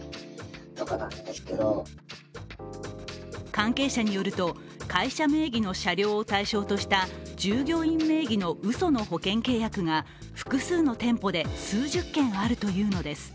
関係者によると、会社名義の車両を対象とした従業員名義の、うその保険契約が複数の店舗で数十件あるというのです。